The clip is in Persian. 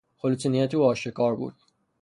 خلوص نیت او آشکار بود.